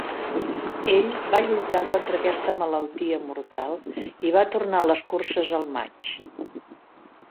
Ell va lluitar contra aquesta malaltia mortal i va tornar a les curses al maig.